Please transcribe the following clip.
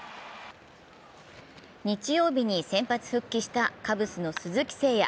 日曜日に先発復帰したカブスの鈴木誠也。